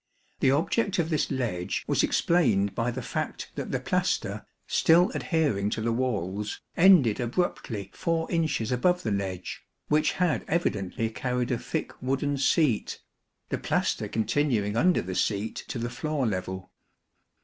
The object of this ledge was explained by the fact that the plaster, still adhering to the walls, ended abruptly four inches above the ledge, which had evidently carried a thick wooden seat ; the plaster continuing under the seat to the floor level.